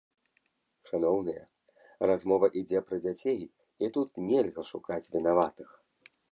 Шаноўныя, размова ідзе пра дзяцей, і тут нельга шукаць вінаватых.